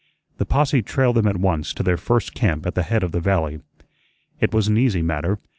The posse trailed them at once to their first camp at the head of the valley. It was an easy matter.